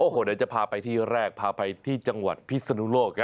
โอ้โหเดี๋ยวจะพาไปที่แรกพาไปที่จังหวัดพิษฎุโลกครับ